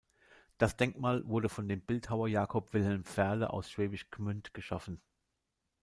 Das Denkmal wurde von dem Bildhauer Jakob Wilhelm Fehrle aus Schwäbisch Gmünd geschaffen.